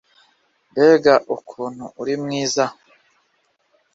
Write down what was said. mbega ukuntu uri mwiza!